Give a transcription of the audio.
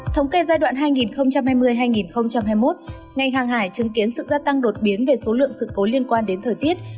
thống kê giai đoạn hai nghìn hai mươi hai nghìn hai mươi một ngành hàng hải chứng kiến sự gia tăng đột biến về số lượng sự cố liên quan đến thời tiết